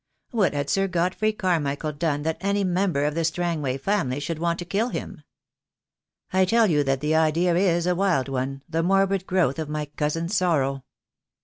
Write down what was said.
What had Sir Godfrey Carmichael done that any member of the Strangway family should want to kill him?" "I tell you that the idea is a wild one, the morbid growth of my cousin's sorrow."